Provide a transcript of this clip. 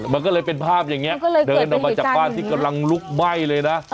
มันก็เลยเป็นภาพอย่างนี้เดินออกมาจากบ้านที่กำลังลุกไหม้เลยนะ